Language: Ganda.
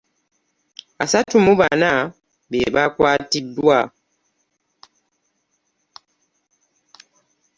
Asatu mu bana be bakwatiddwa.